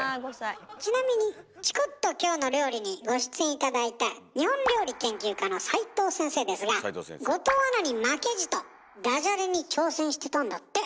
ちなみに「チコっときょうの料理」にご出演頂いた日本料理研究家の斉藤先生ですが後藤アナに負けじとダジャレに挑戦してたんだって。